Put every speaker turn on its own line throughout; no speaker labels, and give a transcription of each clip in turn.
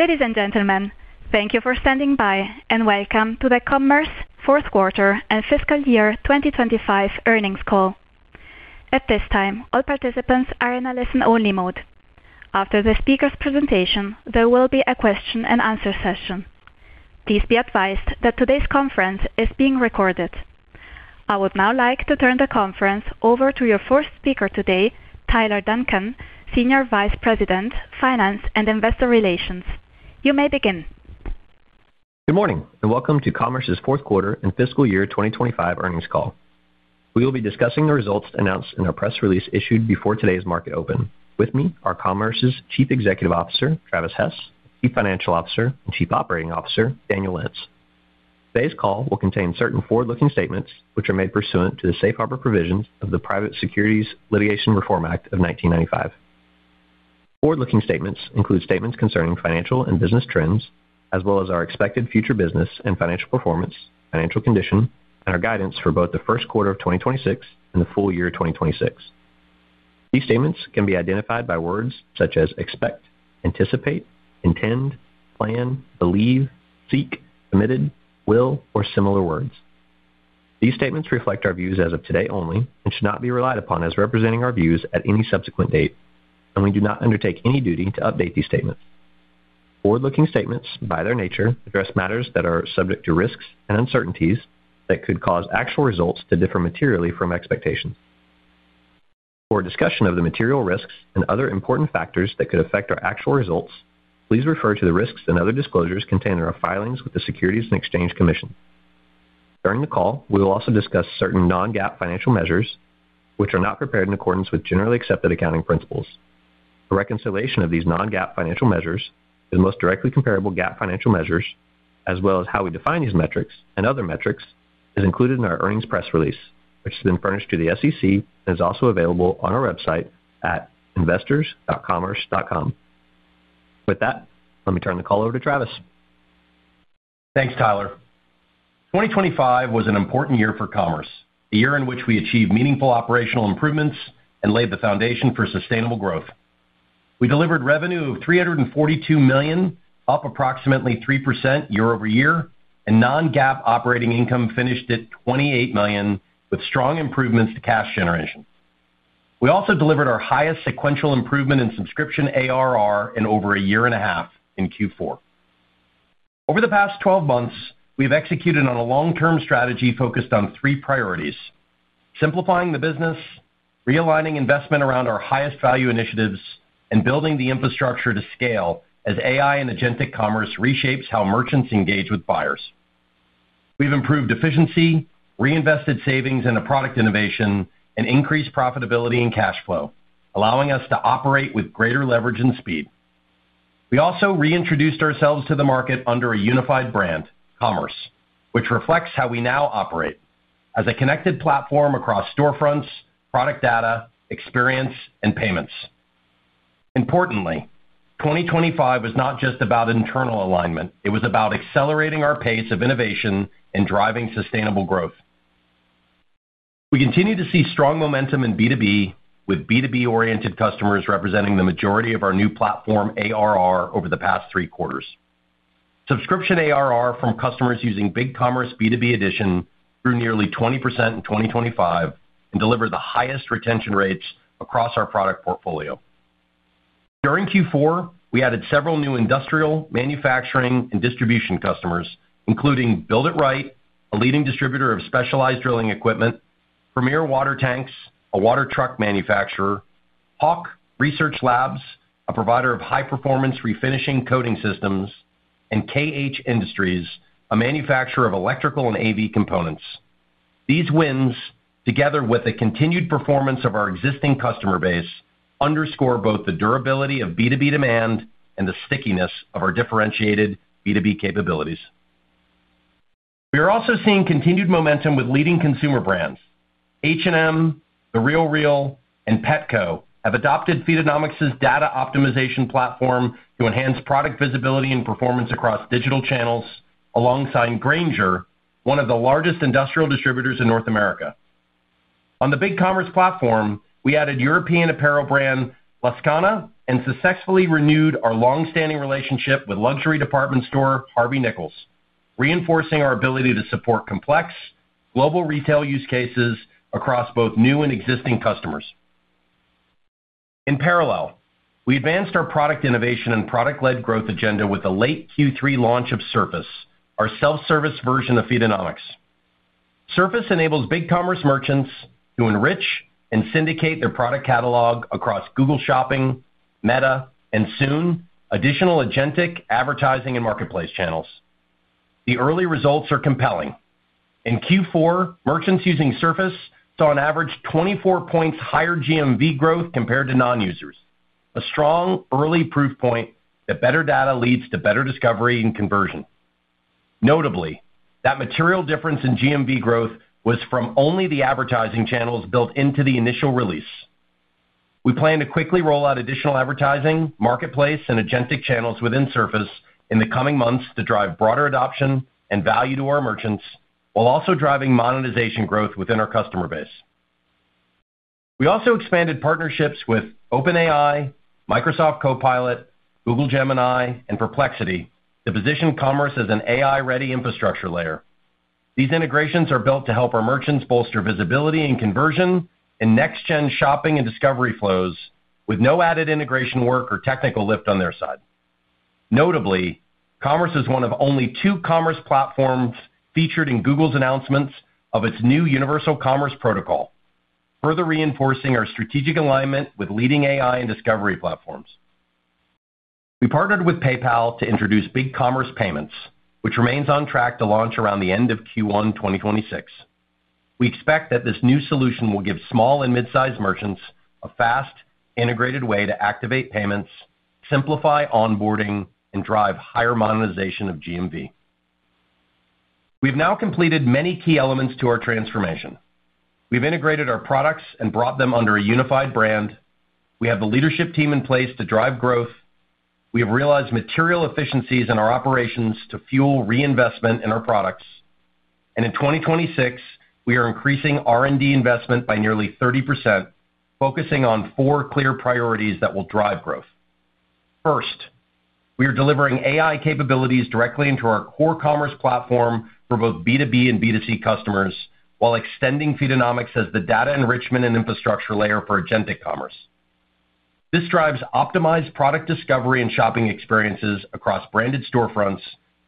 Ladies and gentlemen, thank you for standing by, and welcome to the Commerce fourth quarter and fiscal year 2025 earnings call. At this time, all participants are in a listen-only mode. After the speaker's presentation, there will be a question and answer session. Please be advised that today's conference is being recorded. I would now like to turn the conference over to your first speaker today, Tyler Duncan, Senior Vice President, Finance and Investor Relations. You may begin.
Good morning, and welcome to Commerce's fourth quarter and fiscal year 2025 earnings call. We will be discussing the results announced in our press release issued before today's market open. With me are Commerce's Chief Executive Officer, Travis Hess, Chief Financial Officer and Chief Operating Officer, Daniel Lentz. Today's call will contain certain forward-looking statements, which are made pursuant to the Safe Harbor provisions of the Private Securities Litigation Reform Act of 1995. Forward-looking statements include statements concerning financial and business trends, as well as our expected future business and financial performance, financial condition, and our guidance for both the first quarter of 2026 and the full year 2026. These statements can be identified by words such as expect, anticipate, intend, plan, believe, seek, committed, will, or similar words. These statements reflect our views as of today only and should not be relied upon as representing our views at any subsequent date, and we do not undertake any duty to update these statements. Forward-looking statements, by their nature, address matters that are subject to risks and uncertainties that could cause actual results to differ materially from expectations. For a discussion of the material risks and other important factors that could affect our actual results, please refer to the risks and other disclosures contained in our filings with the Securities and Exchange Commission. During the call, we will also discuss certain non-GAAP financial measures, which are not prepared in accordance with generally accepted accounting principles. A reconciliation of these non-GAAP financial measures to the most directly comparable GAAP financial measures, as well as how we define these metrics and other metrics, is included in our earnings press release, which has been furnished to the SEC and is also available on our website at investors.commerce.com. With that, let me turn the call over to Travis.
Thanks, Tyler. 2025 was an important year for Commerce, a year in which we achieved meaningful operational improvements and laid the foundation for sustainable growth. We delivered revenue of $342 million, up approximately 3% year-over-year, and non-GAAP operating income finished at $28 million, with strong improvements to cash generation. We also delivered our highest sequential improvement in subscription ARR in over a year and a half in Q4. Over the past 12 months, we've executed on a long-term strategy focused on three priorities: simplifying the business, realigning investment around our highest value initiatives, and building the infrastructure to scale as AI and agentic commerce reshapes how merchants engage with buyers. We've improved efficiency, reinvested savings into product innovation, and increased profitability and cash flow, allowing us to operate with greater leverage and speed. We also reintroduced ourselves to the market under a unified brand, Commerce, which reflects how we now operate as a connected platform across storefronts, product data, experience, and payments. Importantly, 2025 was not just about internal alignment. It was about accelerating our pace of innovation and driving sustainable growth. We continue to see strong momentum in B2B, with B2B-oriented customers representing the majority of our new platform ARR over the past three quarters. Subscription ARR from customers using BigCommerce B2B Edition grew nearly 20% in 2025 and delivered the highest retention rates across our product portfolio. During Q4, we added several new industrial, manufacturing, and distribution customers, including Build It Right, a leading distributor of specialized drilling equipment, Premier Water Tanks, a water truck manufacturer, Hawk Research Labs, a provider of high-performance refinishing coating systems, and KH Industries, a manufacturer of electrical and AV components. These wins, together with the continued performance of our existing customer base, underscore both the durability of B2B demand and the stickiness of our differentiated B2B capabilities. We are also seeing continued momentum with leading consumer brands. H&M, The RealReal, and Petco have adopted Feedonomics' data optimization platform to enhance product visibility and performance across digital channels, alongside Grainger, one of the largest industrial distributors in North America. On the BigCommerce platform, we added European apparel brand Lascana and successfully renewed our long-standing relationship with luxury department store, Harvey Nichols, reinforcing our ability to support complex global retail use cases across both new and existing customers. In parallel, we advanced our product innovation and product-led growth agenda with the late Q3 launch of Surface, our self-service version of Feedonomics. Surface enables BigCommerce merchants to enrich and syndicate their product catalog across Google Shopping, Meta, and soon, additional agentic advertising and marketplace channels. The early results are compelling. In Q4, merchants using Surface saw on average 24 points higher GMV growth compared to non-users, a strong early proof point that better data leads to better discovery and conversion. Notably, that material difference in GMV growth was from only the advertising channels built into the initial release. We plan to quickly roll out additional advertising, marketplace, and agentic channels within Surface in the coming months to drive broader adoption and value to our merchants, while also driving monetization growth within our customer base. We also expanded partnerships with OpenAI, Microsoft Copilot, Google Gemini, and Perplexity to position Commerce as an AI-ready infrastructure layer. These integrations are built to help our merchants bolster visibility and conversion in next-gen shopping and discovery flows, with no added integration work or technical lift on their side. Notably, Commerce is one of only two commerce platforms featured in Google's announcements of its new Universal Commerce Protocol, further reinforcing our strategic alignment with leading AI and discovery platforms. We partnered with PayPal to introduce BigCommerce Payments, which remains on track to launch around the end of Q1 2026. We expect that this new solution will give small and mid-sized merchants a fast, integrated way to activate payments, simplify onboarding, and drive higher monetization of GMV. We've now completed many key elements to our transformation. We've integrated our products and brought them under a unified brand. We have the leadership team in place to drive growth. We have realized material efficiencies in our operations to fuel reinvestment in our products, and in 2026, we are increasing R&D investment by nearly 30%, focusing on four clear priorities that will drive growth. First, we are delivering AI capabilities directly into our core commerce platform for both B2B and B2C customers, while extending Feedonomics as the data enrichment and infrastructure layer for agentic commerce. This drives optimized product discovery and shopping experiences across branded storefronts,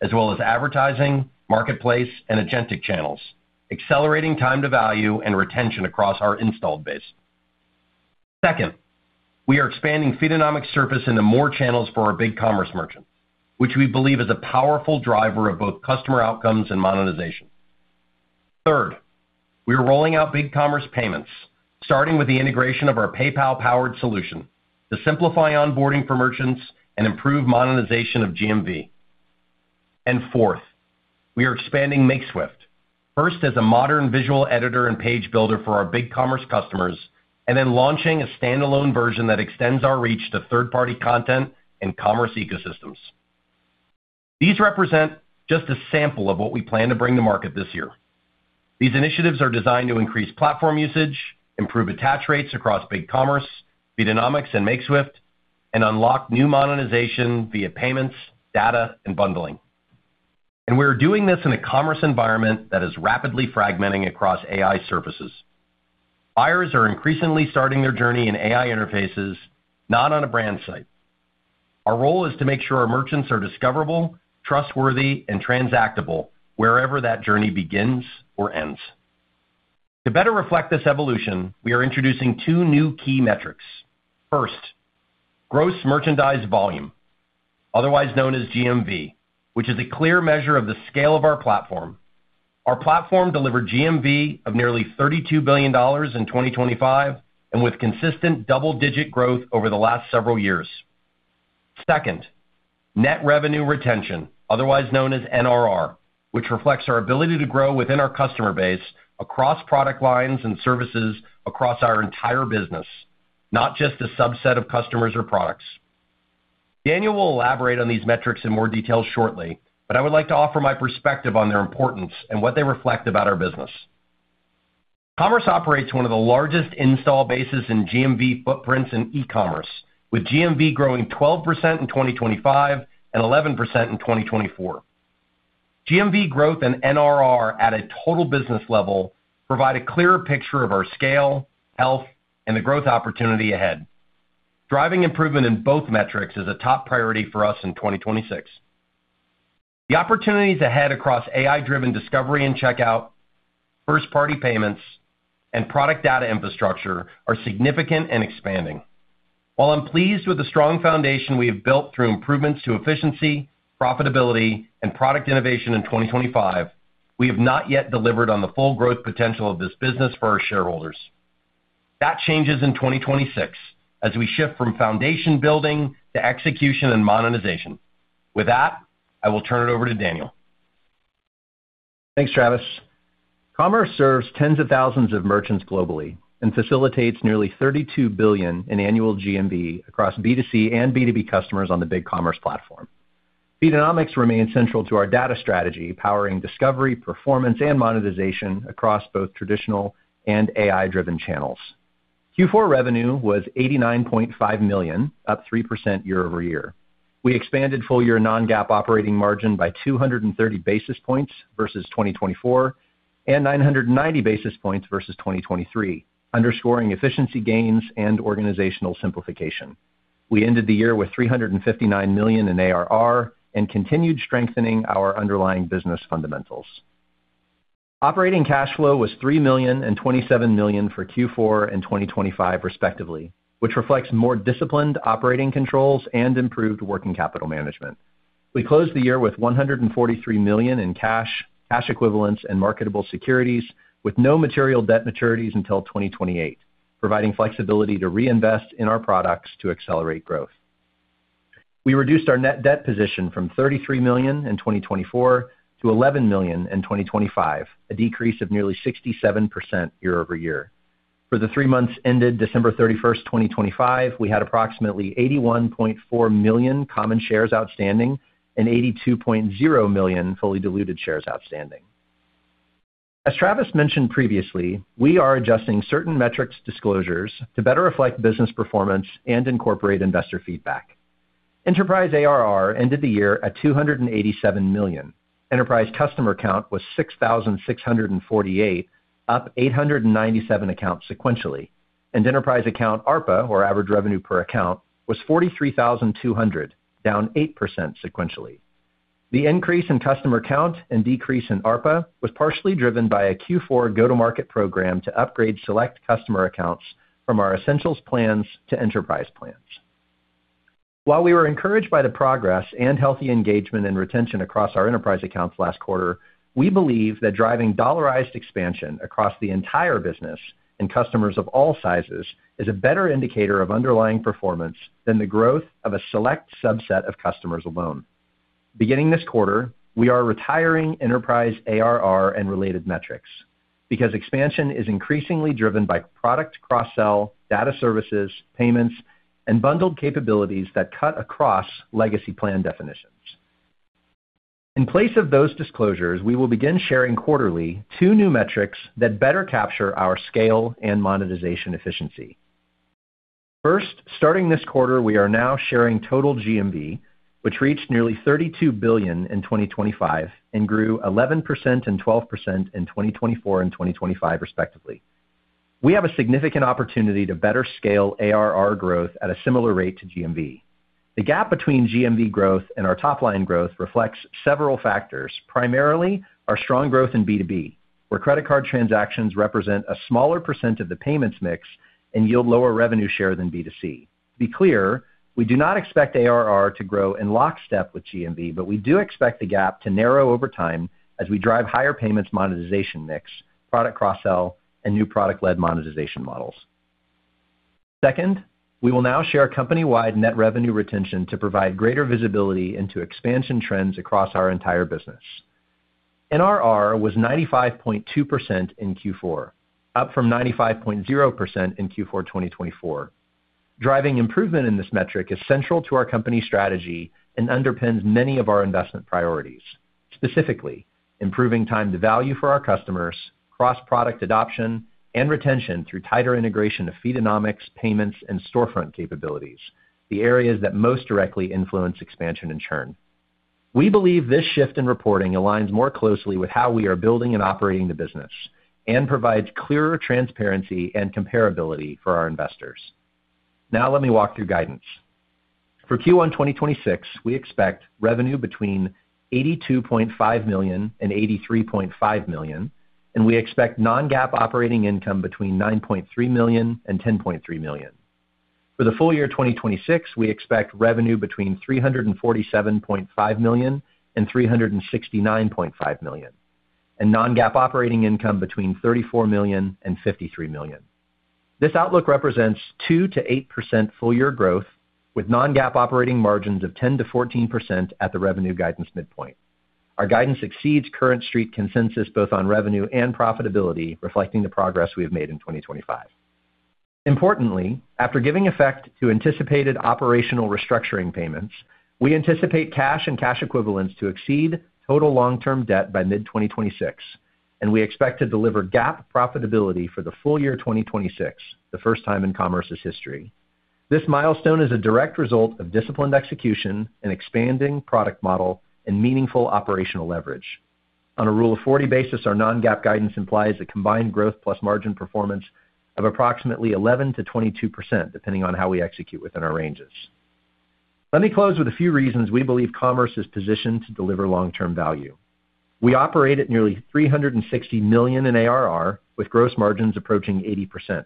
as well as advertising, marketplace, and agentic channels, accelerating time to value and retention across our installed base. Second, we are expanding Feedonomics Surface into more channels for our BigCommerce merchants, which we believe is a powerful driver of both customer outcomes and monetization. Third, we are rolling out BigCommerce Payments, starting with the integration of our PayPal-powered solution, to simplify onboarding for merchants and improve monetization of GMV. Fourth, we are expanding Makeswift, first as a modern visual editor and page builder for our BigCommerce customers, and then launching a standalone version that extends our reach to third-party content and commerce ecosystems. These represent just a sample of what we plan to bring to market this year. These initiatives are designed to increase platform usage, improve attach rates across BigCommerce, Feedonomics, and Makeswift, and unlock new monetization via payments, data, and bundling. We're doing this in a commerce environment that is rapidly fragmenting across AI services. Buyers are increasingly starting their journey in AI interfaces, not on a brand site. Our role is to make sure our merchants are discoverable, trustworthy, and transactable wherever that journey begins or ends. To better reflect this evolution, we are introducing two new key metrics. First, gross merchandise volume, otherwise known as GMV, which is a clear measure of the scale of our platform. Our platform delivered GMV of nearly $32 billion in 2025, and with consistent double-digit growth over the last several years. Second, net revenue retention, otherwise known as NRR, which reflects our ability to grow within our customer base, across product lines and services across our entire business, not just a subset of customers or products. Daniel will elaborate on these metrics in more detail shortly, but I would like to offer my perspective on their importance and what they reflect about our business. Commerce operates one of the largest install bases in GMV footprints in e-commerce, with GMV growing 12% in 2025 and 11% in 2024. GMV growth and NRR at a total business level provide a clearer picture of our scale, health, and the growth opportunity ahead. Driving improvement in both metrics is a top priority for us in 2026. The opportunities ahead across AI-driven discovery and checkout, first-party payments, and product data infrastructure are significant and expanding. While I'm pleased with the strong foundation we have built through improvements to efficiency, profitability, and product innovation in 2025, we have not yet delivered on the full growth potential of this business for our shareholders. That changes in 2026 as we shift from foundation building to execution and monetization. With that, I will turn it over to Daniel.
Thanks, Travis. Commerce serves tens of thousands of merchants globally and facilitates nearly $32 billion in annual GMV across B2C and B2B customers on the BigCommerce platform. Feedonomics remains central to our data strategy, powering discovery, performance, and monetization across both traditional and AI-driven channels. Q4 revenue was $89.5 million, up 3% year over year. We expanded full-year non-GAAP operating margin by 230 basis points versus 2024, and 990 basis points versus 2023, underscoring efficiency gains and organizational simplification. We ended the year with $359 million in ARR and continued strengthening our underlying business fundamentals. Operating cash flow was $3 million and $27 million for Q4 and 2025, respectively, which reflects more disciplined operating controls and improved working capital management. We closed the year with $143 million in cash, cash equivalents, and marketable securities, with no material debt maturities until 2028, providing flexibility to reinvest in our products to accelerate growth. We reduced our net debt position from $33 million in 2024 to $11 million in 2025, a decrease of nearly 67% year over year. For the three months ended December 31st, 2025, we had approximately 81.4 million common shares outstanding and 82.0 million fully diluted shares outstanding. As Travis mentioned previously, we are adjusting certain metrics disclosures to better reflect business performance and incorporate investor feedback. Enterprise ARR ended the year at $287 million. Enterprise customer count was 6,648, up 897 accounts sequentially, and enterprise account ARPA, or average revenue per account, was $43,200, down 8% sequentially. The increase in customer count and decrease in ARPA was partially driven by a Q4 go-to-market program to upgrade select customer accounts from our Essentials plans to Enterprise plans. While we were encouraged by the progress and healthy engagement and retention across our enterprise accounts last quarter, we believe that driving dollarized expansion across the entire business and customers of all sizes is a better indicator of underlying performance than the growth of a select subset of customers alone. Beginning this quarter, we are retiring enterprise ARR and related metrics, because expansion is increasingly driven by product cross-sell, data services, payments, and bundled capabilities that cut across legacy plan definitions. In place of those disclosures, we will begin sharing quarterly two new metrics that better capture our scale and monetization efficiency. First, starting this quarter, we are now sharing total GMV, which reached nearly $32 billion in 2025 and grew 11% and 12% in 2024 and 2025, respectively. We have a significant opportunity to better scale ARR growth at a similar rate to GMV. The gap between GMV growth and our top line growth reflects several factors, primarily our strong growth in B2B, where credit card transactions represent a smaller percent of the payments mix and yield lower revenue share than B2C. To be clear, we do not expect ARR to grow in lockstep with GMV, but we do expect the gap to narrow over time as we drive higher payments monetization mix, product cross-sell, and new product-led monetization models. Second, we will now share company-wide net revenue retention to provide greater visibility into expansion trends across our entire business. NRR was 95.2% in Q4, up from 95.0% in Q4, 2024. Driving improvement in this metric is central to our company strategy and underpins many of our investment priorities, specifically improving time to value for our customers, cross-product adoption, and retention through tighter integration of Feedonomics, payments, and storefront capabilities, the areas that most directly influence expansion and churn. We believe this shift in reporting aligns more closely with how we are building and operating the business and provides clearer transparency and comparability for our investors. Now let me walk through guidance. For Q1 2026, we expect revenue between $82.5 million and $83.5 million, and we expect non-GAAP operating income between $9.3 million and $10.3 million. For the full year 2026, we expect revenue between $347.5 million and $369.5 million, and non-GAAP operating income between $34 million and $53 million. This outlook represents 2%-8% full-year growth, with non-GAAP operating margins of 10%-14% at the revenue guidance midpoint. Our guidance exceeds current Street consensus, both on revenue and profitability, reflecting the progress we have made in 2025. Importantly, after giving effect to anticipated operational restructuring payments, we anticipate cash and cash equivalents to exceed total long-term debt by mid-2026, and we expect to deliver GAAP profitability for the full year 2026, the first time in Commerce's history. This milestone is a direct result of disciplined execution and expanding product model and meaningful operational leverage. On a Rule of 40 basis, our non-GAAP guidance implies a combined growth plus margin performance of approximately 11%-22%, depending on how we execute within our ranges. Let me close with a few reasons we believe Commerce is positioned to deliver long-term value. We operate at nearly $360 million in ARR, with gross margins approaching 80%.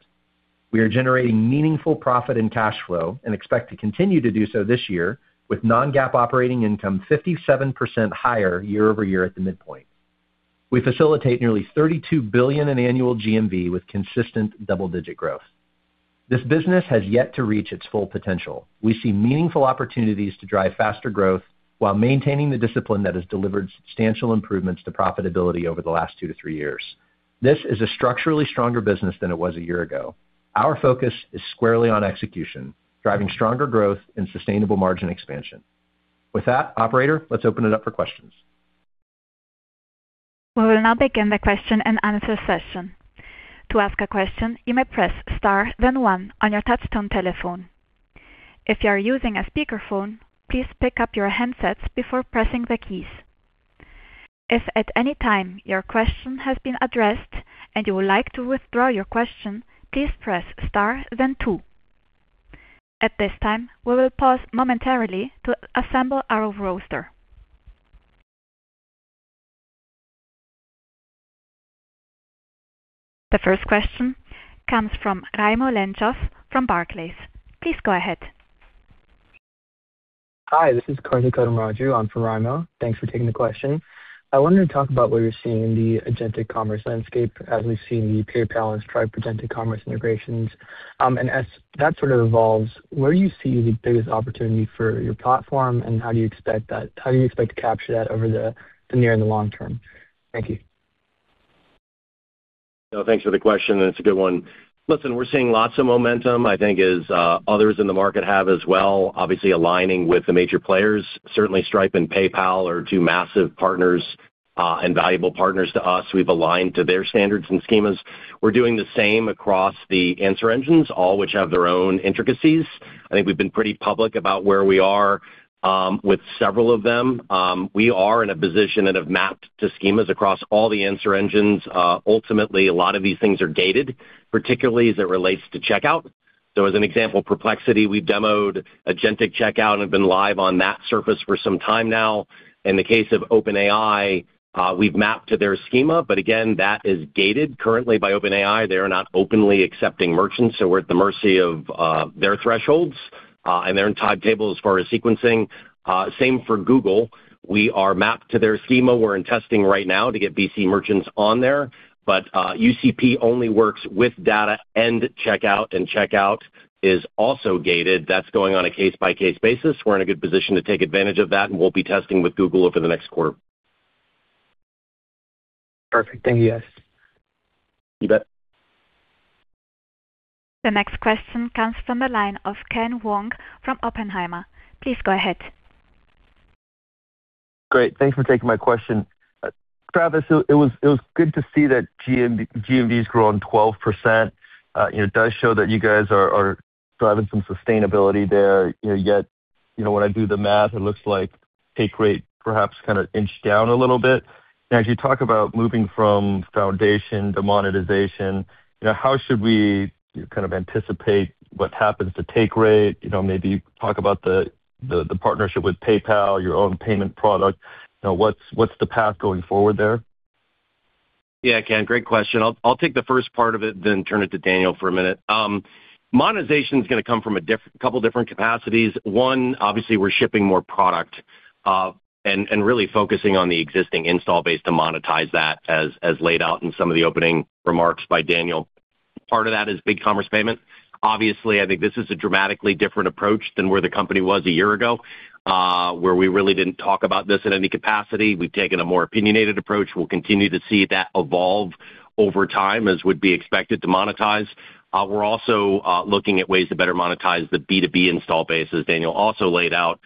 We are generating meaningful profit and cash flow and expect to continue to do so this year with non-GAAP operating income 57% higher year-over-year at the midpoint. We facilitate nearly $32 billion in annual GMV with consistent double-digit growth. This business has yet to reach its full potential. We see meaningful opportunities to drive faster growth while maintaining the discipline that has delivered substantial improvements to profitability over the last two to three years. This is a structurally stronger business than it was a year ago. Our focus is squarely on execution, driving stronger growth and sustainable margin expansion. With that, operator, let's open it up for questions.
We will now begin the question and answer session. To ask a question, you may press Star, then one on your touchtone telephone. If you are using a speakerphone, please pick up your handsets before pressing the keys. If at any time your question has been addressed and you would like to withdraw your question, please press Star then two. At this time, we will pause momentarily to assemble our roster. The first question comes from Raimo Lenschow from Barclays. Please go ahead.
Hi, this is Kartik Kotamraju. I'm from Raimo. Thanks for taking the question. I wanted to talk about what you're seeing in the agentic Commerce landscape as we've seen the PayPal and Stripe agentic Commerce integrations. And as that sort of evolves, where do you see the biggest opportunity for your platform, and how do you expect to capture that over the near and the long term? Thank you....
So thanks for the question, and it's a good one. Listen, we're seeing lots of momentum, I think, as others in the market have as well, obviously aligning with the major players. Certainly, Stripe and PayPal are two massive partners, and valuable partners to us. We've aligned to their standards and schemas. We're doing the same across the answer engines, all which have their own intricacies. I think we've been pretty public about where we are with several of them. We are in a position and have mapped to schemas across all the answer engines. Ultimately, a lot of these things are gated, particularly as it relates to checkout. So as an example, Perplexity, we've demoed agentic checkout and have been live on that surface for some time now. In the case of OpenAI, we've mapped to their schema, but again, that is gated currently by OpenAI. They are not openly accepting merchants, so we're at the mercy of, their thresholds, and their timetable as far as sequencing. Same for Google. We are mapped to their schema. We're in testing right now to get BC merchants on there, but, UCP only works with data and checkout, and checkout is also gated. That's going on a case-by-case basis. We're in a good position to take advantage of that, and we'll be testing with Google over the next quarter.
Perfect. Thank you, guys.
You bet.
The next question comes from the line of Ken Wong from Oppenheimer. Please go ahead.
Great. Thanks for taking my question. Travis, it was good to see that GMVs grown 12%. It does show that you guys are driving some sustainability there. You know, yet, you know, when I do the math, it looks like take rate perhaps kind of inched down a little bit. Now, as you talk about moving from foundation to monetization, you know, how should we kind of anticipate what happens to take rate? You know, maybe talk about the partnership with PayPal, your own payment product. You know, what's the path going forward there?
Yeah, Ken, great question. I'll, I'll take the first part of it, then turn it to Daniel for a minute. Monetization is going to come from a couple different capacities. One, obviously, we're shipping more product, and really focusing on the existing install base to monetize that, as laid out in some of the opening remarks by Daniel. Part of that is BigCommerce payment. Obviously, I think this is a dramatically different approach than where the company was a year ago, where we really didn't talk about this in any capacity. We've taken a more opinionated approach. We'll continue to see that evolve over time, as would be expected to monetize. We're also looking at ways to better monetize the B2B install base, as Daniel also laid out,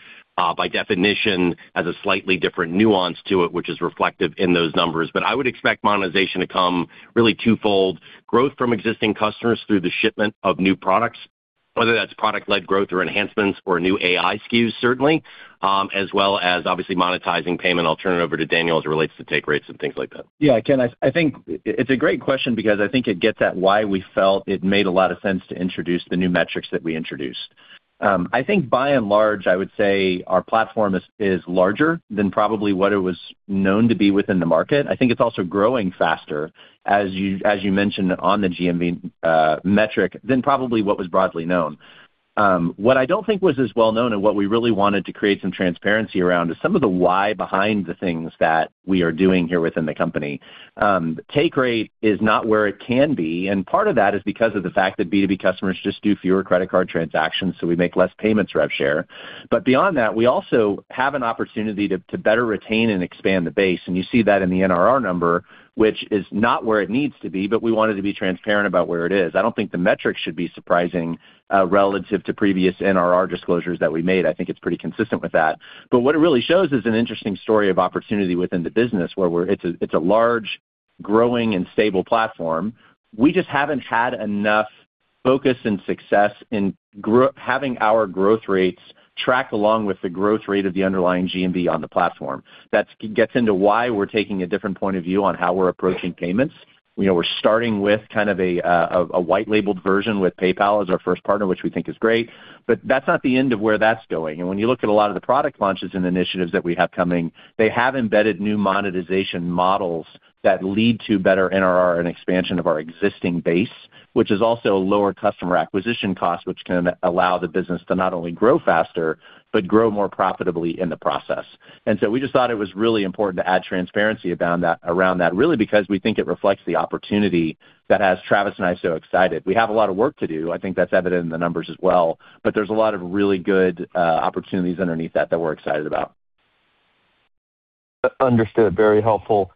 by definition, has a slightly different nuance to it, which is reflective in those numbers. But I would expect monetization to come really twofold, growth from existing customers through the shipment of new products, whether that's product-led growth or enhancements or new AI SKUs, certainly, as well as obviously monetizing payment. I'll turn it over to Daniel, as it relates to take rates and things like that.
Yeah, Ken, I think it's a great question because I think it gets at why we felt it made a lot of sense to introduce the new metrics that we introduced. I think by and large, I would say our platform is larger than probably what it was known to be within the market. I think it's also growing faster, as you mentioned, on the GMV metric, than probably what was broadly known. What I don't think was as well known, and what we really wanted to create some transparency around, is some of the why behind the things that we are doing here within the company. Take rate is not where it can be, and part of that is because of the fact that B2B customers just do fewer credit card transactions, so we make less payments rev share. But beyond that, we also have an opportunity to better retain and expand the base, and you see that in the NRR number, which is not where it needs to be, but we wanted to be transparent about where it is. I don't think the metrics should be surprising relative to previous NRR disclosures that we made. I think it's pretty consistent with that. But what it really shows is an interesting story of opportunity within the business, where we're. It's a large, growing and stable platform. We just haven't had enough focus and success in having our growth rates track along with the growth rate of the underlying GMV on the platform. That gets into why we're taking a different point of view on how we're approaching payments. You know, we're starting with kind of a white labeled version with PayPal as our first partner, which we think is great, but that's not the end of where that's going. When you look at a lot of the product launches and initiatives that we have coming, they have embedded new monetization models that lead to better NRR and expansion of our existing base, which is also a lower customer acquisition cost, which can allow the business to not only grow faster, but grow more profitably in the process. So we just thought it was really important to add transparency around that, really, because we think it reflects the opportunity that has Travis and I so excited. We have a lot of work to do. I think that's evident in the numbers as well, but there's a lot of really good opportunities underneath that, that we're excited about.
Understood. Very helpful.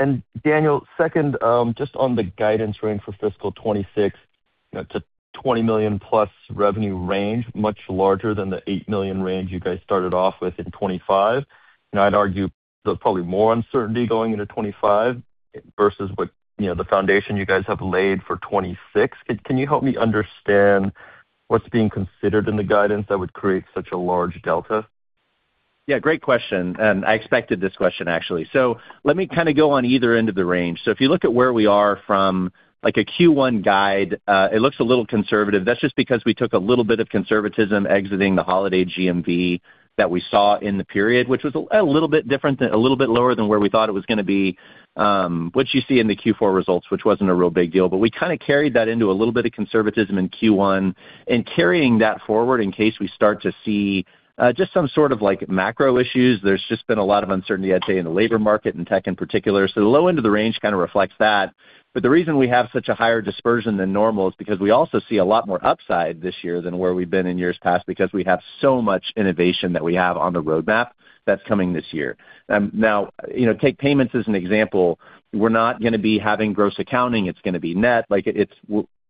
And Daniel, second, just on the guidance range for fiscal 2026. You know, it's a $20 million+ revenue range, much larger than the $8 million range you guys started off with in 2025. And I'd argue there's probably more uncertainty going into 2025 versus what, you know, the foundation you guys have laid for 2026. Can you help me understand what's being considered in the guidance that would create such a large delta?...
Yeah, great question, and I expected this question, actually. So let me kind of go on either end of the range. So if you look at where we are from, like, a Q1 guide, it looks a little conservative. That's just because we took a little bit of conservatism exiting the holiday GMV that we saw in the period, which was a little bit different than a little bit lower than where we thought it was gonna be, which you see in the Q4 results, which wasn't a real big deal. But we kinda carried that into a little bit of conservatism in Q1, and carrying that forward in case we start to see just some sort of, like, macro issues. There's just been a lot of uncertainty, I'd say, in the labor market and tech in particular. So the low end of the range kinda reflects that. But the reason we have such a higher dispersion than normal is because we also see a lot more upside this year than where we've been in years past, because we have so much innovation that we have on the roadmap that's coming this year. Now, you know, take payments as an example. We're not gonna be having gross accounting. It's gonna be net. Like,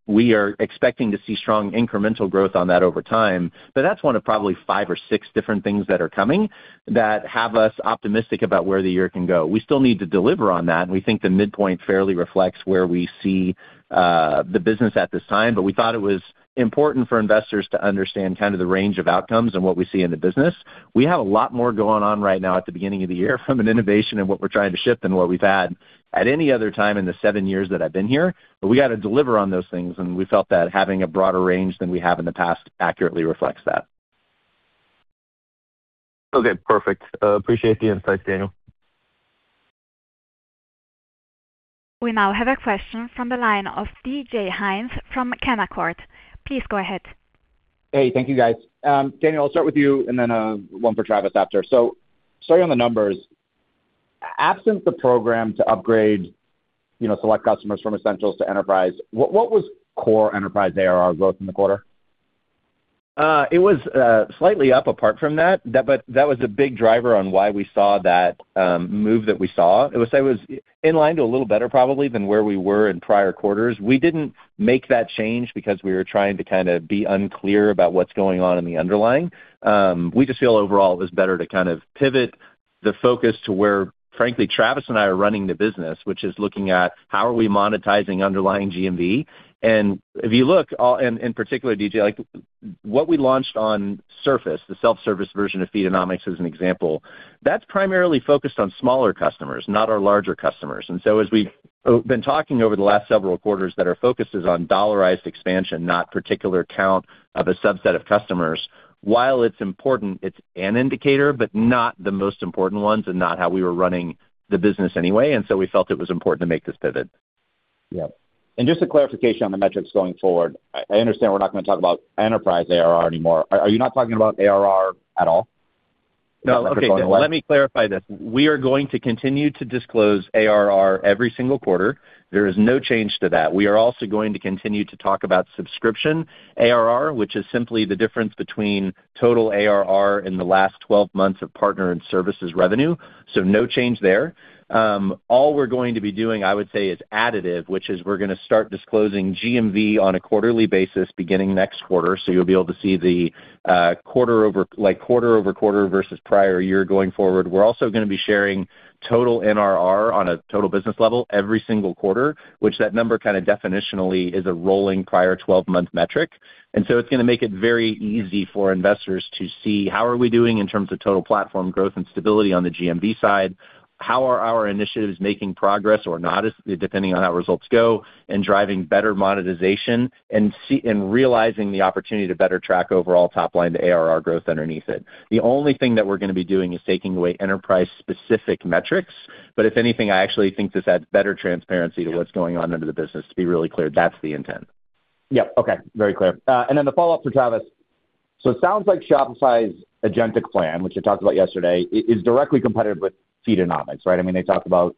we are expecting to see strong incremental growth on that over time, but that's one of probably five or six different things that are coming that have us optimistic about where the year can go. We still need to deliver on that, and we think the midpoint fairly reflects where we see the business at this time. But we thought it was important for investors to understand kind of the range of outcomes and what we see in the business. We have a lot more going on right now at the beginning of the year from an innovation and what we're trying to ship than what we've had at any other time in the seven years that I've been here, but we gotta deliver on those things, and we felt that having a broader range than we have in the past accurately reflects that.
Okay, perfect. Appreciate the insights, Daniel.
We now have a question from the line of DJ Hynes from Canaccord. Please go ahead.
Hey, thank you, guys. Daniel, I'll start with you, and then one for Travis after. So starting on the numbers, absent the program to upgrade, you know, select customers from Essentials to Enterprise, what, what was core Enterprise ARR growth in the quarter?
It was slightly up apart from that. That, but that was a big driver on why we saw that move that we saw. It was, I would say, it was in line to a little better, probably, than where we were in prior quarters. We didn't make that change because we were trying to kind of be unclear about what's going on in the underlying. We just feel overall it was better to kind of pivot the focus to where, frankly, Travis and I are running the business, which is looking at how are we monetizing underlying GMV. And if you look, and in particular, DJ, like, what we launched on Surface, the self-service version of Feedonomics, as an example, that's primarily focused on smaller customers, not our larger customers. And so as we've been talking over the last several quarters, that our focus is on dollarized expansion, not particular count of a subset of customers. While it's important, it's an indicator, but not the most important ones and not how we were running the business anyway, and so we felt it was important to make this pivot.
Yeah. And just a clarification on the metrics going forward. I understand we're not gonna talk about Enterprise ARR anymore. Are you not talking about ARR at all?
No. Okay, let me clarify this. We are going to continue to disclose ARR every single quarter. There is no change to that. We are also going to continue to talk about subscription ARR, which is simply the difference between total ARR in the last 12 months of partner and services revenue, so no change there. All we're going to be doing, I would say, is additive, which is we're gonna start disclosing GMV on a quarterly basis, beginning next quarter, so you'll be able to see the quarter over quarter versus prior year going forward. We're also gonna be sharing total NRR on a total business level every single quarter, which that number kinda definitionally is a rolling prior 12-month metric. And so it's gonna make it very easy for investors to see how are we doing in terms of total platform growth and stability on the GMV side? How are our initiatives making progress or not, as depending on how results go, and driving better monetization and seeing and realizing the opportunity to better track overall top line to ARR growth underneath it. The only thing that we're gonna be doing is taking away enterprise-specific metrics, but if anything, I actually think this adds better transparency to what's going on under the business. To be really clear, that's the intent.
Yeah. Okay, very clear. And then the follow-up for Travis. So it sounds like Shopify's agentic plan, which I talked about yesterday, is directly competitive with Feedonomics, right? I mean, they talked about,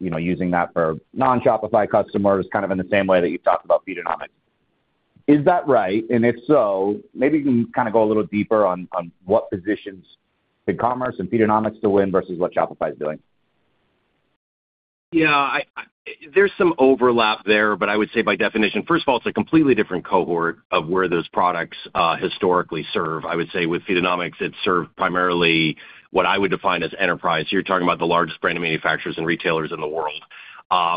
you know, using that for non-Shopify customers, kind of in the same way that you've talked about Feedonomics. Is that right? And if so, maybe you can kind of go a little deeper on what positions BigCommerce and Feedonomics to win versus what Shopify is doing.
Yeah, there's some overlap there, but I would say, by definition, first of all, it's a completely different cohort of where those products historically serve. I would say with Feedonomics, it served primarily what I would define as enterprise. You're talking about the largest brand manufacturers and retailers in the world.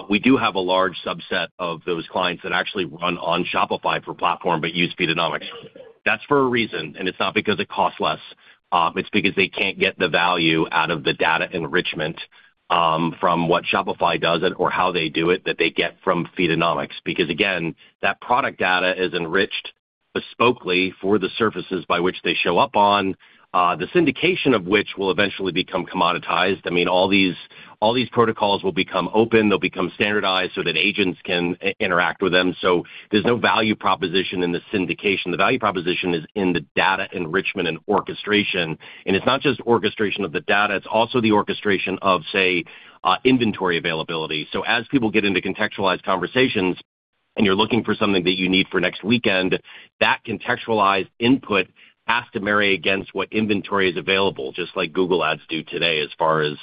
We do have a large subset of those clients that actually run on Shopify for platform, but use Feedonomics. That's for a reason, and it's not because it costs less, it's because they can't get the value out of the data enrichment, from what Shopify does it or how they do it, that they get from Feedonomics. Because again, that product data is enriched bespokely for the surfaces by which they show up on, the syndication of which will eventually become commoditized. I mean, all these, all these protocols will become open. They'll become standardized so that agents can interact with them, so there's no value proposition in the syndication. The value proposition is in the data enrichment and orchestration, and it's not just orchestration of the data, it's also the orchestration of, say, inventory availability. So as people get into contextualized conversations, and you're looking for something that you need for next weekend, ...that contextualized input has to marry against what inventory is available, just like Google Ads do today, as far as,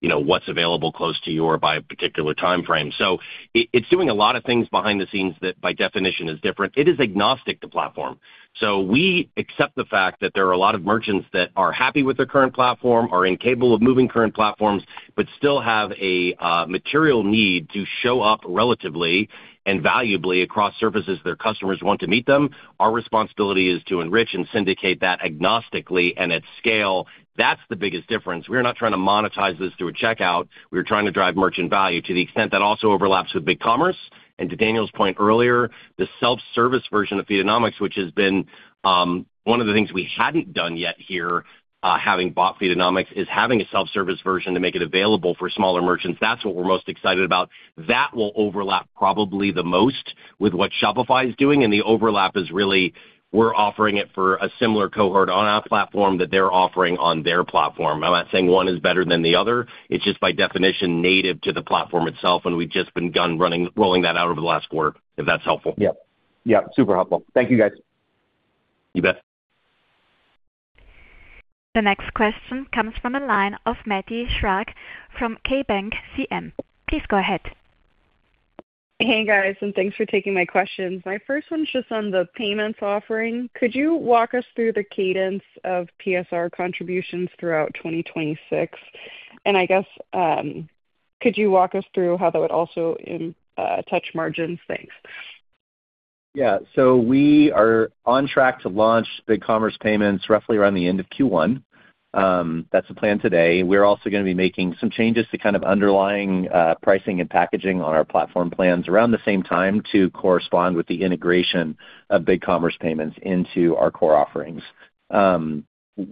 you know, what's available close to you or by a particular timeframe. So it's doing a lot of things behind the scenes that by definition, is different. It is agnostic to platform. So we accept the fact that there are a lot of merchants that are happy with their current platform, are incapable of moving current platforms, but still have a material need to show up relatively and valuably across surfaces their customers want to meet them. Our responsibility is to enrich and syndicate that agnostically and at scale. That's the biggest difference. We're not trying to monetize this through a checkout, we're trying to drive merchant value to the extent that also overlaps with BigCommerce. And to Daniel's point earlier, the self-service version of Feedonomics, which has been one of the things we hadn't done yet here, having bought Feedonomics, is having a self-service version to make it available for smaller merchants. That's what we're most excited about. That will overlap probably the most with what Shopify is doing, and the overlap is really, we're offering it for a similar cohort on our platform that they're offering on their platform. I'm not saying one is better than the other, it's just by definition, native to the platform itself, and we've just begun rolling that out over the last quarter, if that's helpful.
Yep. Yep, super helpful. Thank you, guys.
You bet.
The next question comes from the line of Maddie Schrage from KeyBanc CM. Please go ahead.
Hey, guys, and thanks for taking my questions. My first one's just on the payments offering. Could you walk us through the cadence of PSR contributions throughout 2026? And I guess, could you walk us through how that would also impact margins? Thanks.
Yeah. So we are on track to launch BigCommerce Payments roughly around the end of Q1. That's the plan today. We're also gonna be making some changes to kind of underlying pricing and packaging on our platform plans around the same time to correspond with the integration of BigCommerce Payments into our core offerings.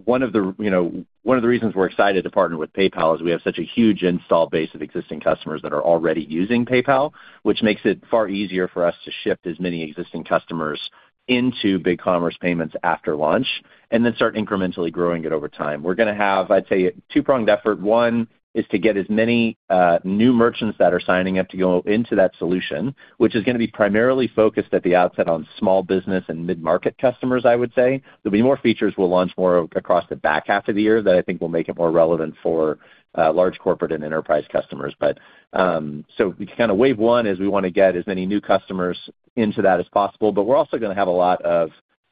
One of the, you know, one of the reasons we're excited to partner with PayPal is we have such a huge install base of existing customers that are already using PayPal, which makes it far easier for us to shift as many existing customers into BigCommerce Payments after launch, and then start incrementally growing it over time. We're gonna have, I'd say, a two-pronged effort. One, is to get as many, new merchants that are signing up to go into that solution, which is gonna be primarily focused at the outset on small business and mid-market customers, I would say. There'll be more features we'll launch more across the back half of the year that I think will make it more relevant for, large corporate and enterprise customers. But, so kind of wave one is we want to get as many new customers into that as possible, but we're also gonna have a lot of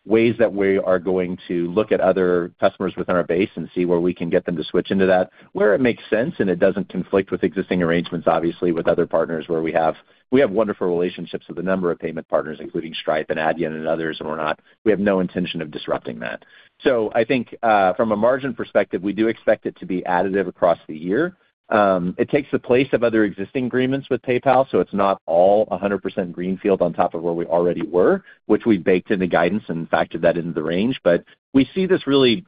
ways that we are going to look at other customers within our base and see where we can get them to switch into that, where it makes sense, and it doesn't conflict with existing arrangements obviously, with other partners, where we have wonderful relationships with a number of payment partners, including Stripe and Adyen and others, and we're not. We have no intention of disrupting that. So I think, from a margin perspective, we do expect it to be additive across the year. It takes the place of other existing agreements with PayPal, so it's not all 100% greenfield on top of where we already were, which we baked in the guidance and factored that into the range. But we see this really,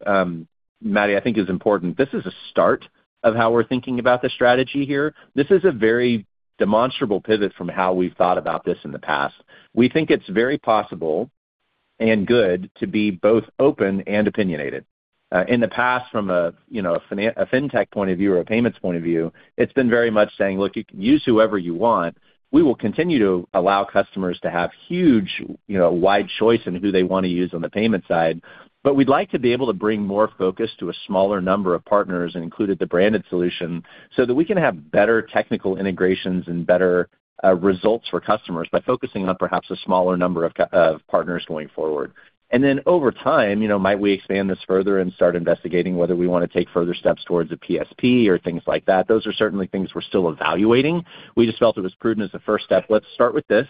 Maddie, I think is important. This is a start of how we're thinking about the strategy here. This is a very demonstrable pivot from how we've thought about this in the past. We think it's very possible and good to be both open and opinionated. In the past, from a, you know, a fintech point of view or a payments point of view, it's been very much saying: Look, you can use whoever you want. We will continue to allow customers to have huge, you know, wide choice in who they want to use on the payment side, but we'd like to be able to bring more focus to a smaller number of partners and include the branded solution, so that we can have better technical integrations and better results for customers by focusing on perhaps a smaller number of partners going forward. Then over time, you know, might we expand this further and start investigating whether we want to take further steps towards a PSP or things like that? Those are certainly things we're still evaluating. We just felt it was prudent as a first step. Let's start with this,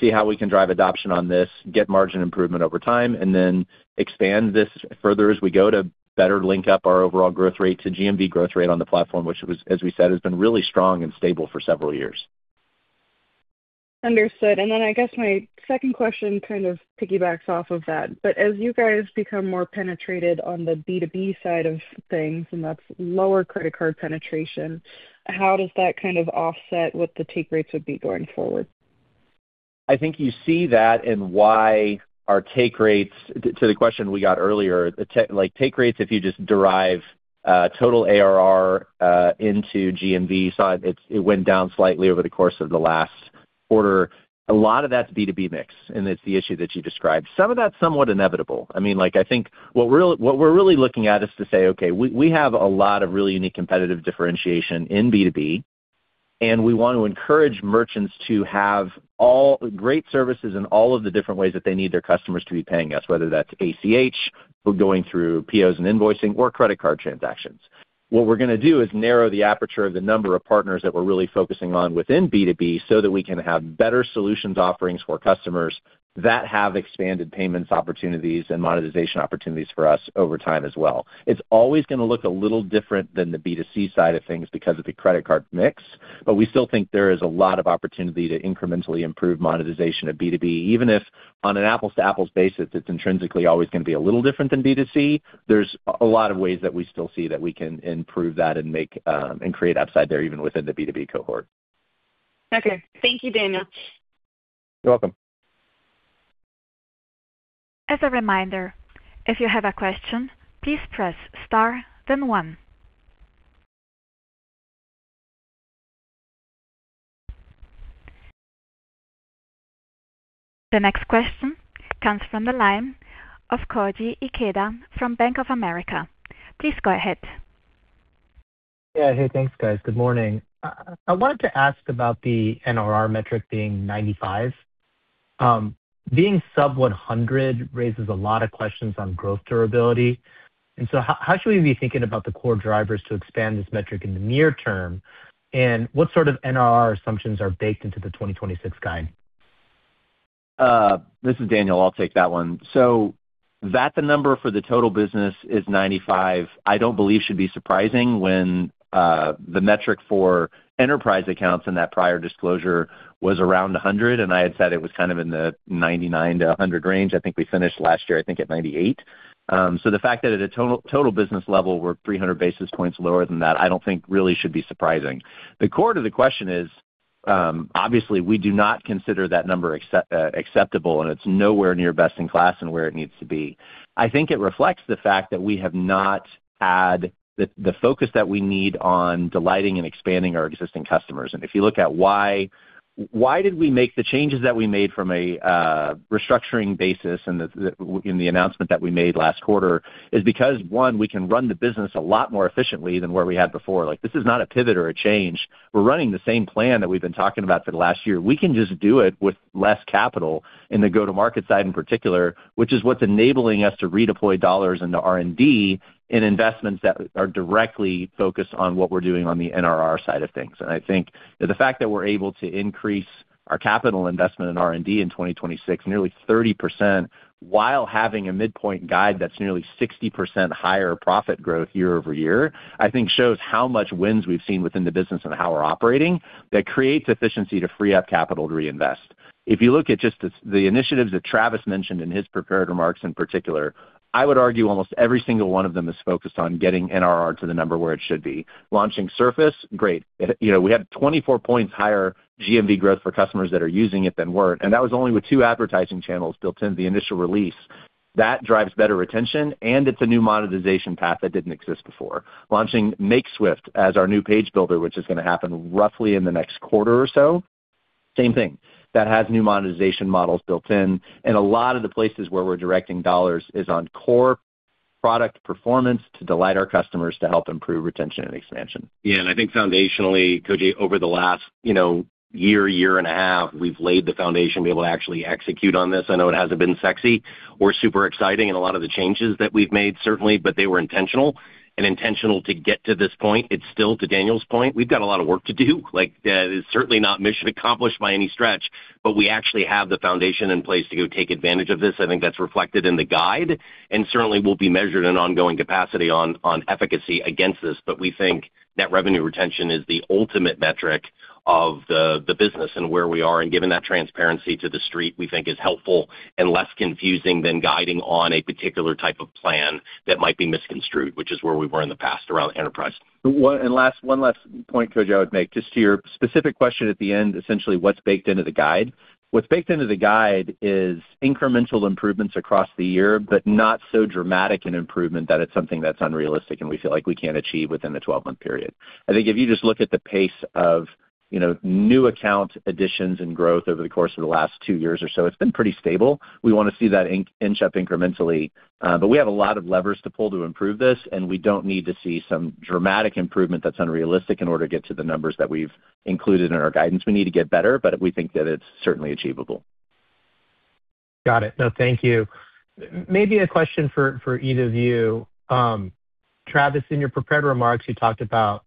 see how we can drive adoption on this, get margin improvement over time, and then expand this further as we go to better link up our overall growth rate to GMV growth rate on the platform, which was, as we said, has been really strong and stable for several years.
Understood. And then I guess my second question kind of piggybacks off of that. But as you guys become more penetrated on the B2B side of things, and that's lower credit card penetration, how does that kind of offset what the take rates would be going forward?
I think you see that in why our take rates. To the question we got earlier, the take rates, like, if you just derive total ARR into GMV, so it went down slightly over the course of the last quarter. A lot of that's B2B mix, and it's the issue that you described. Some of that's somewhat inevitable. I mean, like, I think what we're really, what we're really looking at is to say, okay, we have a lot of really unique competitive differentiation in B2B, and we want to encourage merchants to have all great services in all of the different ways that they need their customers to be paying us, whether that's ACH, or going through POs and invoicing, or credit card transactions. What we're gonna do is narrow the aperture of the number of partners that we're really focusing on within B2B, so that we can have better solutions offerings for customers that have expanded payments opportunities and monetization opportunities for us over time as well. It's always gonna look a little different than the B2C side of things because of the credit card mix, but we still think there is a lot of opportunity to incrementally improve monetization of B2B, even if on an apples-to-apples basis, it's intrinsically always gonna be a little different than B2C. There's a lot of ways that we still see that we can improve that and make, and create upside there, even within the B2B cohort.
Okay. Thank you, Daniel.
You're welcome.
As a reminder, if you have a question, please press star, then one. The next question comes from the line of Koji Ikeda from Bank of America. Please go ahead.
Yeah. Hey, thanks, guys. Good morning. I wanted to ask about the NRR metric being 95. Being sub 100 raises a lot of questions on growth durability. And so how should we be thinking about the core drivers to expand this metric in the near term? And what sort of NRR assumptions are baked into the 2026 guide?
This is Daniel. I'll take that one. So that the number for the total business is 95, I don't believe should be surprising when, the metric for enterprise accounts in that prior disclosure was around 100, and I had said it was kind of in the 99-100 range. I think we finished last year, I think, at 98. So the fact that at a total, total business level, we're 300 basis points lower than that, I don't think really should be surprising. The core to the question is, obviously, we do not consider that number acceptable, and it's nowhere near best in class and where it needs to be. I think it reflects the fact that we have not had the focus that we need on delighting and expanding our existing customers. And if you look at why, why did we make the changes that we made from a restructuring basis and in the announcement that we made last quarter, is because, one, we can run the business a lot more efficiently than where we had before. Like, this is not a pivot or a change. We're running the same plan that we've been talking about for the last year. We can just do it with less capital in the go-to-market side, in particular, which is what's enabling us to redeploy dollars into R&D, in investments that are directly focused on what we're doing on the NRR side of things. I think that the fact that we're able to increase our capital investment in R&D in 2026, nearly 30%, while having a midpoint guide that's nearly 60% higher profit growth year-over-year, I think shows how much wins we've seen within the business and how we're operating. That creates efficiency to free up capital to reinvest. If you look at just the, the initiatives that Travis mentioned in his prepared remarks in particular, I would argue almost every single one of them is focused on getting NRR to the number where it should be. Launching Surface, great. It... You know, we had 24 points higher GMV growth for customers that are using it than Word, and that was only with two advertising channels built in the initial release. That drives better retention, and it's a new monetization path that didn't exist before. Launching Makeswift as our new page builder, which is going to happen roughly in the next quarter or so, same thing. That has new monetization models built in, and a lot of the places where we're directing dollars is on core product performance to delight our customers to help improve retention and expansion.
Yeah, and I think foundationally, Koji, over the last, you know, year, year and a half, we've laid the foundation to be able to actually execute on this. I know it hasn't been sexy or super exciting, and a lot of the changes that we've made, certainly, but they were intentional, and intentional to get to this point. It's still, to Daniel's point, we've got a lot of work to do. Like, it's certainly not mission accomplished by any stretch, but we actually have the foundation in place to go take advantage of this. I think that's reflected in the guide, and certainly will be measured in ongoing capacity on efficacy against this. But we think net revenue retention is the ultimate metric of the business and where we are, and giving that transparency to the street, we think is helpful and less confusing than guiding on a particular type of plan that might be misconstrued, which is where we were in the past around enterprise.
One last point, Koji, I would make, just to your specific question at the end, essentially, what's baked into the guide? What's baked into the guide is incremental improvements across the year, but not so dramatic an improvement that it's something that's unrealistic and we feel like we can't achieve within a 12-month period. I think if you just look at the pace of, you know, new account additions and growth over the course of the last two years or so, it's been pretty stable. We want to see that inch up incrementally, but we have a lot of levers to pull to improve this, and we don't need to see some dramatic improvement that's unrealistic in order to get to the numbers that we've included in our guidance. We need to get better, but we think that it's certainly achievable.
Got it. No, thank you. Maybe a question for, for either of you. Travis, in your prepared remarks, you talked about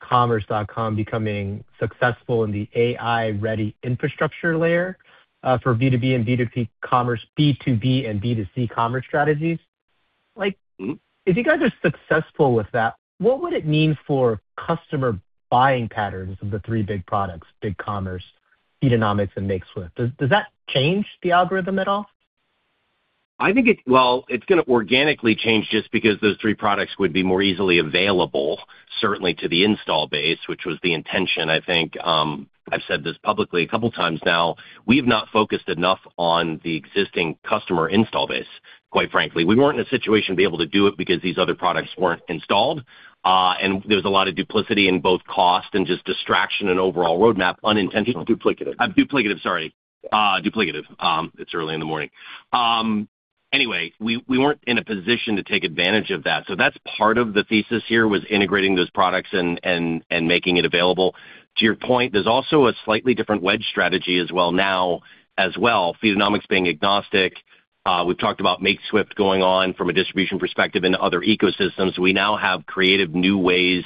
commerce.com becoming successful in the AI-ready infrastructure layer, for B2B and B2C commerce, B2B and B2C commerce strategies. Like, if you guys are successful with that, what would it mean for customer buying patterns of the three big products, BigCommerce, Feedonomics and Makeswift? Does that change the algorithm at all?
I think it... Well, it's going to organically change just because those three products would be more easily available, certainly to the install base, which was the intention. I think, I've said this publicly a couple times now, we've not focused enough on the existing customer install base, quite frankly. We weren't in a situation to be able to do it because these other products weren't installed, and there was a lot of duplicative in both cost and just distraction and overall roadmap, unintentional. Duplicative, sorry. It's early in the morning. Anyway, we weren't in a position to take advantage of that. So that's part of the thesis here, was integrating those products and making it available. To your point, there's also a slightly different wedge strategy as well now as well, Feedonomics being agnostic. We've talked about Makeswift going on from a distribution perspective into other ecosystems. We now have creative new ways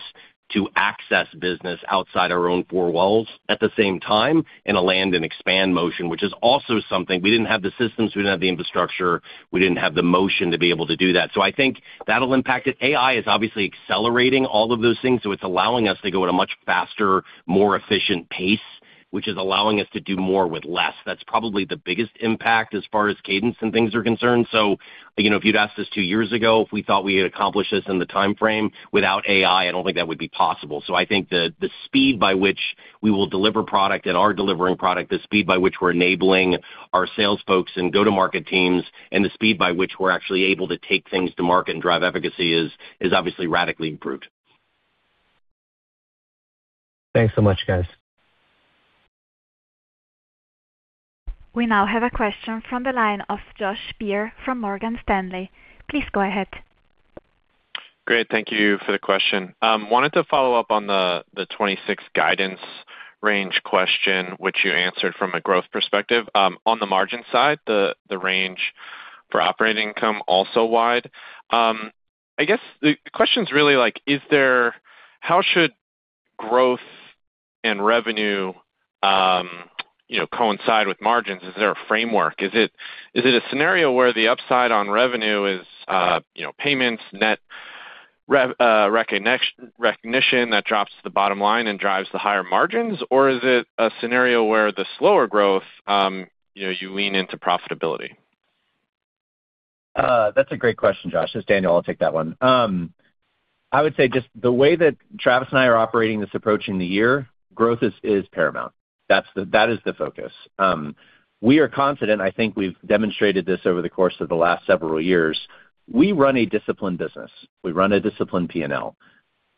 to access business outside our own four walls at the same time, in a land and expand motion, which is also something. We didn't have the systems, we didn't have the infrastructure, we didn't have the motion to be able to do that. So I think that'll impact it. AI is obviously accelerating all of those things, so it's allowing us to go at a much faster, more efficient pace, which is allowing us to do more with less. That's probably the biggest impact as far as cadence and things are concerned. So, you know, if you'd asked us two years ago if we thought we had accomplished this in the timeframe without AI, I don't think that would be possible. So I think the speed by which we will deliver product and are delivering product, the speed by which we're enabling our sales folks and go-to-market teams, and the speed by which we're actually able to take things to market and drive efficacy is obviously radically improved.
Thanks so much, guys.
We now have a question from the line of Josh Baer from Morgan Stanley. Please go ahead.
Great, thank you for the question. Wanted to follow up on the, the 2026 guidance range question, which you answered from a growth perspective. On the margin side, the, the range for operating income also wide. I guess the question is really like, is there-- how should growth and revenue, you know, coincide with margins? Is it, is it a scenario where the upside on revenue is, you know, payments, net revenue recognition that drops to the bottom line and drives the higher margins? Or is it a scenario where the slower growth, you know, you lean into profitability?
That's a great question, Josh. It's Daniel, I'll take that one. I would say just the way that Travis and I are operating this approach in the year, growth is paramount. That's the focus. That is the focus. We are confident, I think we've demonstrated this over the course of the last several years. We run a disciplined business. We run a disciplined P&L.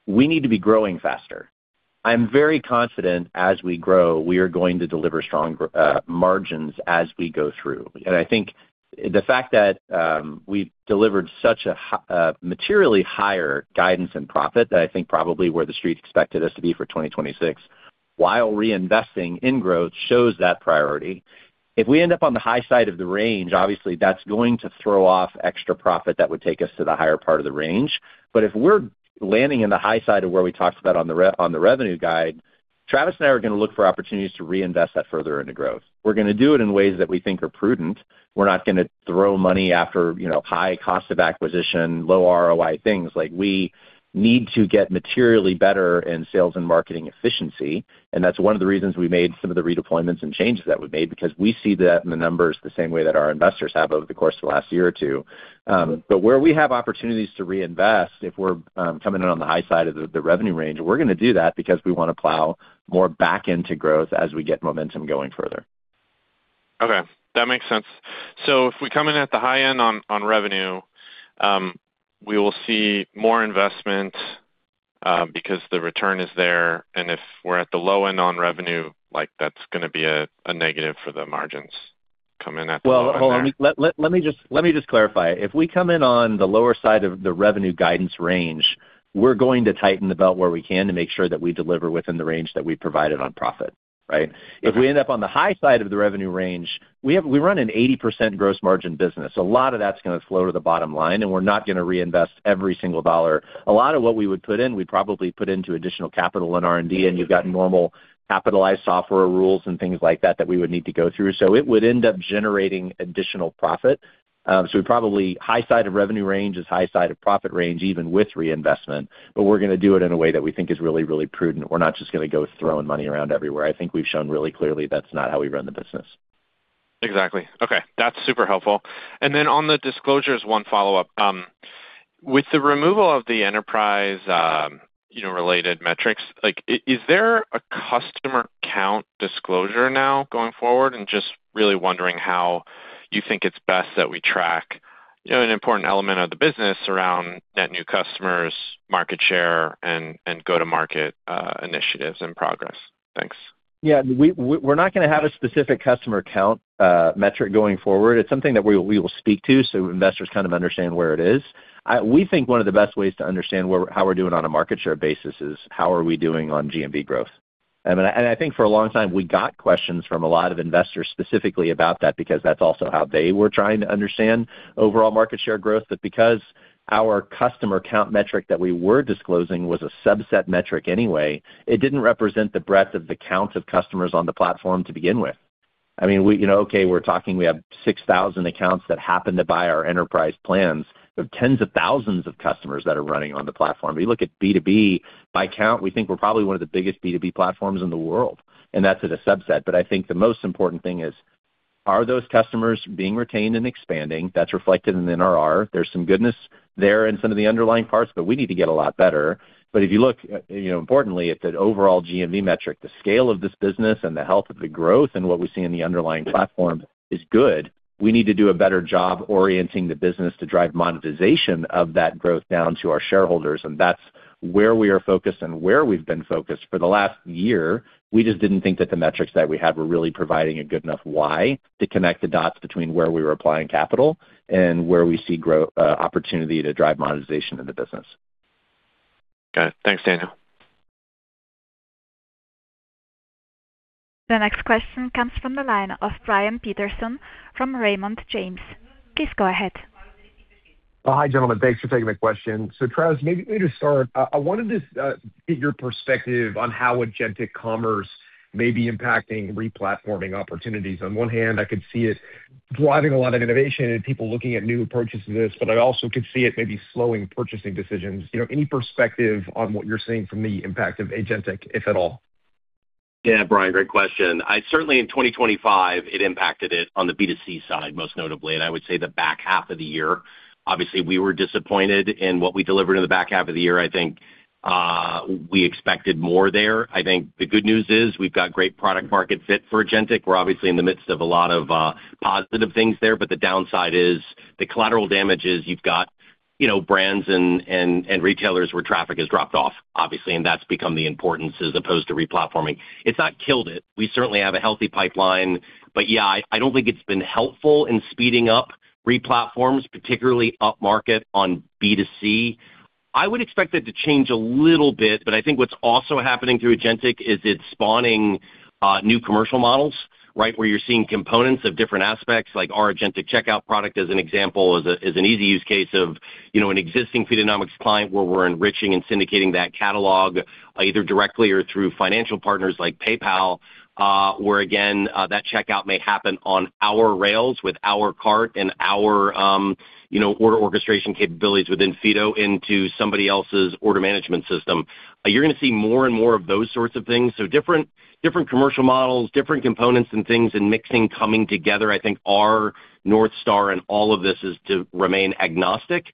We need to be growing faster. I'm very confident as we grow, we are going to deliver strong margins as we go through. And I think the fact that, we've delivered such a materially higher guidance and profit than I think probably where the street expected us to be for 2026, while reinvesting in growth, shows that priority. If we end up on the high side of the range, obviously that's going to throw off extra profit that would take us to the higher part of the range. But if we're landing in the high side of where we talked about on the revenue guide, Travis and I are going to look for opportunities to reinvest that further into growth. We're going to do it in ways that we think are prudent. We're not going to throw money after, you know, high cost of acquisition, low ROI, things like we need to get materially better in sales and marketing efficiency, and that's one of the reasons we made some of the redeployments and changes that we made, because we see that in the numbers the same way that our investors have over the course of the last year or two. But where we have opportunities to reinvest, if we're coming in on the high side of the revenue range, we're going to do that because we want to plow more back into growth as we get momentum going further.
Okay, that makes sense. So if we come in at the high end on revenue, we will see more investment because the return is there, and if we're at the low end on revenue, like, that's going to be a negative for the margins coming in at the low end there.
Well, hold on. Let me just clarify. If we come in on the lower side of the revenue guidance range, we're going to tighten the belt where we can to make sure that we deliver within the range that we provided on profit, right?
Okay.
If we end up on the high side of the revenue range, we run an 80% gross margin business. A lot of that's going to flow to the bottom line, and we're not going to reinvest every single dollar. A lot of what we would put in, we'd probably put into additional capital and R&D, and you've got normal capitalized software rules and things like that, that we would need to go through. So it would end up generating additional profit. So we probably high side of revenue range is high side of profit range, even with reinvestment, but we're going to do it in a way that we think is really, really prudent. We're not just going to go throwing money around everywhere. I think we've shown really clearly that's not how we run the business.
Exactly. Okay, that's super helpful. And then on the disclosures, one follow-up. With the removal of the enterprise, you know, related metrics, like, is there a customer count disclosure now going forward? And just really wondering how you think it's best that we track, you know, an important element of the business around net new customers, market share, and go-to-market initiatives and progress. Thanks.
Yeah, we're not going to have a specific customer count metric going forward. It's something that we will speak to, so investors kind of understand where it is. We think one of the best ways to understand where how we're doing on a market share basis is how we're doing on GMV growth. And I think for a long time, we got questions from a lot of investors specifically about that, because that's also how they were trying to understand overall market share growth. But because our customer count metric that we were disclosing was a subset metric anyway, it didn't represent the breadth of the count of customers on the platform to begin with. I mean, you know, okay, we're talking, we have 6,000 accounts that happen to buy our enterprise plans. We have tens of thousands of customers that are running on the platform. If you look at B2B, by count, we think we're probably one of the biggest B2B platforms in the world, and that's at a subset. But I think the most important thing is, are those customers being retained and expanding? That's reflected in the NRR. There's some goodness there in some of the underlying parts, but we need to get a lot better. But if you look, you know, importantly, at the overall GMV metric, the scale of this business and the health of the growth and what we see in the underlying platform is good. We need to do a better job orienting the business to drive monetization of that growth down to our shareholders, and that's where we are focused and where we've been focused for the last year. We just didn't think that the metrics that we had were really providing a good enough why to connect the dots between where we were applying capital and where we see growth opportunity to drive monetization in the business.
Got it. Thanks, Daniel.
The next question comes from the line of Brian Peterson from Raymond James. Please go ahead.
Hi, gentlemen. Thanks for taking my question. So Travis, maybe to start, I wanted to get your perspective on how agentic Commerce may be impacting replatforming opportunities. On one hand, I could see it driving a lot of innovation and people looking at new approaches to this, but I also could see it maybe slowing purchasing decisions. You know, any perspective on what you're seeing from the impact of agentic, if at all?
Yeah, Brian, great question. Certainly in 2025, it impacted it on the B2C side, most notably, and I would say the back half of the year. Obviously, we were disappointed in what we delivered in the back half of the year. I think we expected more there. I think the good news is, we've got great product market fit for agentic. We're obviously in the midst of a lot of positive things there, but the downside is, the collateral damage is you've got, you know, brands and retailers where traffic has dropped off, obviously, and that's become the importance as opposed to replatforming. It's not killed it. We certainly have a healthy pipeline, but yeah, I don't think it's been helpful in speeding up replatforms, particularly upmarket on B2C.... I would expect that to change a little bit, but I think what's also happening through agentic is it's spawning new commercial models, right? Where you're seeing components of different aspects, like our agentic checkout product, as an example, is a, is an easy use case of, you know, an existing Feedonomics client, where we're enriching and syndicating that catalog, either directly or through financial partners like PayPal, where again, that checkout may happen on our rails with our cart and our, you know, order orchestration capabilities within Feedo into somebody else's order management system. You're gonna see more and more of those sorts of things. So different, different commercial models, different components and things and mixing coming together. I think our North Star in all of this is to remain agnostic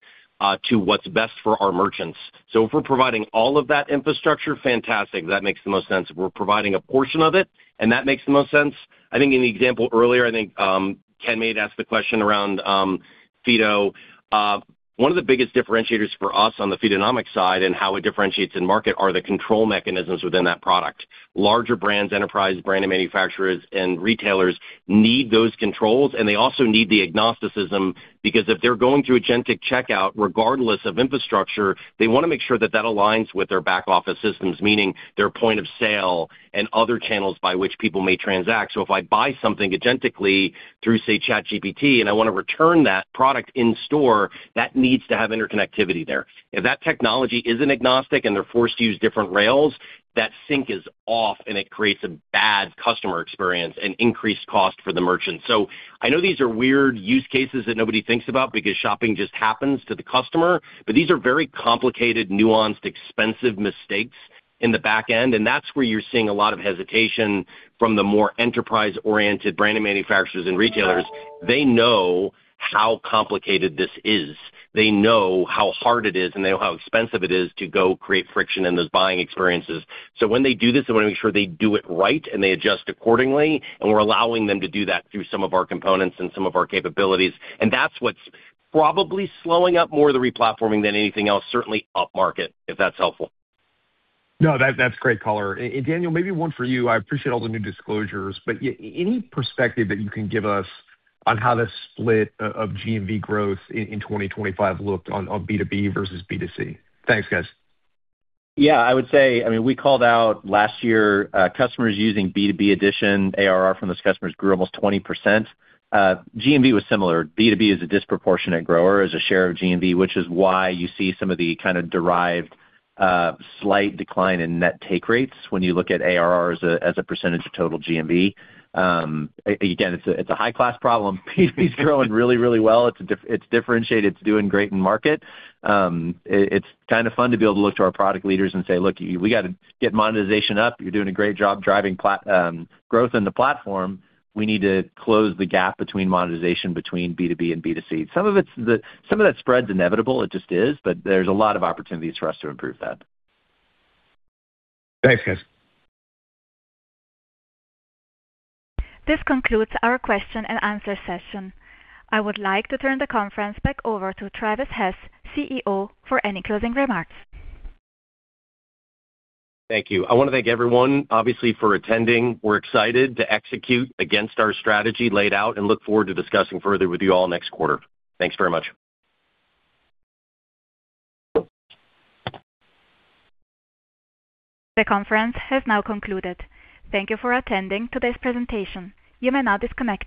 to what's best for our merchants. So if we're providing all of that infrastructure, fantastic! That makes the most sense. If we're providing a portion of it, and that makes the most sense, I think in the example earlier, I think, Ken may have asked the question around, Feedo. One of the biggest differentiators for us on the Feedonomics side and how it differentiates in market are the control mechanisms within that product. Larger brands, enterprise brand and manufacturers and retailers need those controls, and they also need the agnosticism, because if they're going through agentic checkout, regardless of infrastructure, they wanna make sure that that aligns with their back office systems, meaning their point of sale and other channels by which people may transact. So if I buy something agentically through, say, ChatGPT, and I wanna return that product in store, that needs to have interconnectivity there. If that technology isn't agnostic and they're forced to use different rails, that sync is off, and it creates a bad customer experience and increased cost for the merchant. So I know these are weird use cases that nobody thinks about because shopping just happens to the customer, but these are very complicated, nuanced, expensive mistakes in the back end, and that's where you're seeing a lot of hesitation from the more enterprise-oriented brand and manufacturers and retailers. They know how complicated this is. They know how hard it is, and they know how expensive it is to go create friction in those buying experiences. So when they do this, they wanna make sure they do it right, and they adjust accordingly, and we're allowing them to do that through some of our components and some of our capabilities. That's what's probably slowing up more of the replatforming than anything else, certainly upmarket, if that's helpful.
No, that's great color. And Daniel, maybe one for you. I appreciate all the new disclosures, but any perspective that you can give us on how the split of GMV growth in 2025 looked on B2B versus B2C? Thanks, guys.
Yeah, I would say, I mean, we called out last year, customers using B2B Edition, ARR from those customers grew almost 20%. GMV was similar. B2B is a disproportionate grower as a share of GMV, which is why you see some of the kind of derived slight decline in net take rates when you look at ARR as a percentage of total GMV. Again, it's a high-class problem. B2B's growing really, really well. It's differentiated, it's doing great in market. It's kind of fun to be able to look to our product leaders and say, "Look, we gotta get monetization up. You're doing a great job driving growth in the platform. “We need to close the gap between monetization between B2B and B2C.” Some of it's some of that spread is inevitable, it just is, but there's a lot of opportunities for us to improve that.
Thanks, guys.
This concludes our question and answer session. I would like to turn the conference back over to Travis Hess, CEO, for any closing remarks.
Thank you. I wanna thank everyone, obviously, for attending. We're excited to execute against our strategy laid out and look forward to discussing further with you all next quarter. Thanks very much.
The conference has now concluded. Thank you for attending today's presentation. You may now disconnect.